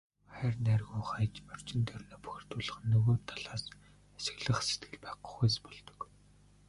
Хогоо хайр найргүй хаяж, орчин тойрноо бохирдуулах нь нөгөө талаас ашиглах сэтгэл байхгүйгээс болдог.